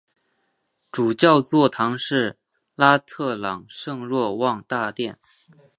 主教座堂是拉特朗圣若望大殿。